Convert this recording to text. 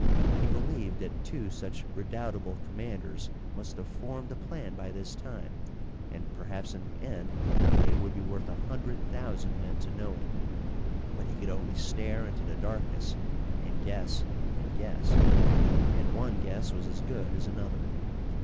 He believed that two such redoubtable commanders must have formed a plan by this time, and, perhaps in the end, it would be worth a hundred thousand men to know it. But he could only stare into the darkness and guess and guess. And one guess was as good as another.